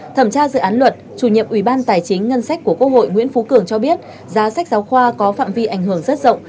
thẩm tra dự án luật chủ nhiệm ubthqh nguyễn phú cường cho biết giá sách giáo khoa có phạm vi ảnh hưởng rất rộng